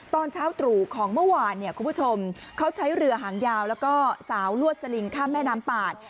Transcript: ตอนเช้าตรู่ของเมื่อวานเนี่ยคุณผู้ชมเขาใช้เรือหางยาวแล้วก็สาวลวดสลิงข้ามแม่น้ำปาด